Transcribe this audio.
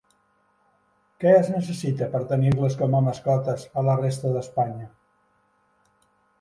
Què es necessita per tenir-les com a mascotes a la resta d'Espanya?